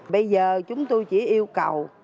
bây giờ chúng tôi chỉ yêu cầu